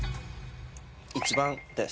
１番です。